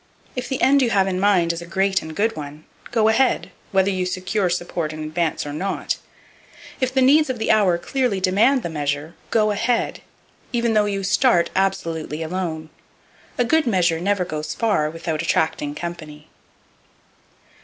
If the end you have in mind is a great and good one, go ahead, whether you secure support in advance or not. If the needs of the hour clearly demand the measure, go ahead, even though you start absolutely alone. A good measure never goes far without attracting company.